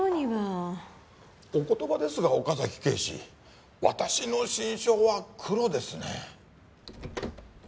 お言葉ですが岡崎警視私の心証はクロですね。